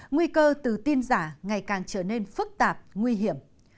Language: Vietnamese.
nguy cơ từ tin giả ngày càng trở nên phức tạp nguy hiểm